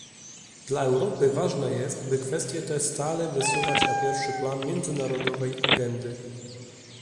Dla Europy ważne jest, by kwestie te stale wysuwać na pierwszy plan międzynarodowej agendy